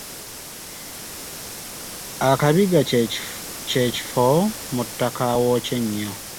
Akabiga kye kye kifo mu ttaka awookya ennyo.